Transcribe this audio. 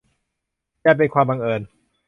ยันเป็นความบังเอิญ